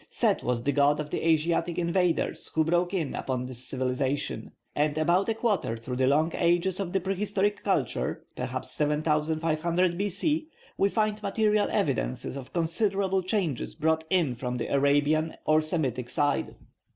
Set was the god of the Asiatic invaders who broke in upon this civilisation; and about a quarter through the long ages of the prehistoric culture (perhaps 7500 B.C.) we find material evidences of considerable changes brought in from the Arabian or Semitic side.